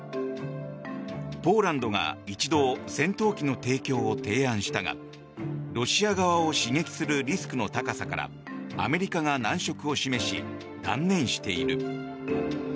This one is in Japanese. ポーランドが一度戦闘機の提供を提案したがロシア側を刺激するリスクの高さからアメリカが難色を示し断念している。